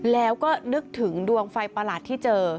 แล้วก็นึกถึงดวงไฟประหลาดที่เจอ